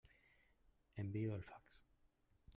Envio el fax.